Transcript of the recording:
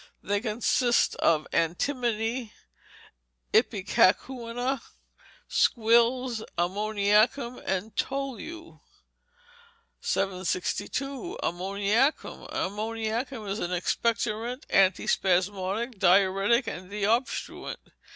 They consist of antimony, ipecacuanha, squills, ammoniacum, and tolu. 762. Ammoniacum Ammoniacum is an expectorant, antispasmodic, diuretic, and deobstruent.